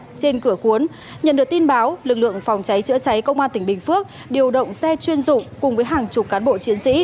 trên cửa cuốn nhận được tin báo lực lượng phòng cháy chữa cháy công an tỉnh bình phước điều động xe chuyên dụng cùng với hàng chục cán bộ chiến sĩ